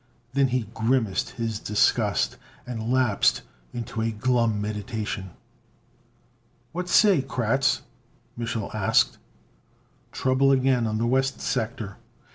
Then he grimaced his disgust and lapsed into a glum meditation. "What say, Kratz?" Mich'l asked. "Trouble again on the west sector.